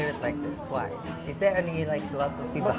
karena jika anda bisa mengatakannya dengan baik anda bisa